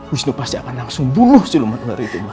wisnu pasti akan langsung bunuh siluman ular itu ma